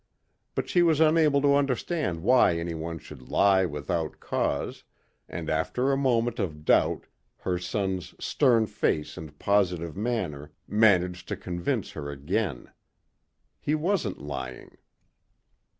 But she was unable to understand why anyone should lie without cause and after a moment of doubt her son's stern face and positive manner managed to convince her again. He wasn't lying.